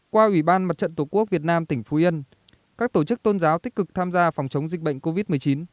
qua ủy ban mặt trận tổ quốc việt nam tỉnh phú yên các tổ chức tôn giáo tích cực tham gia phòng chống dịch bệnh covid một mươi chín